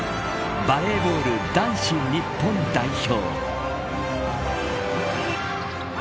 バレーボール男子日本代表。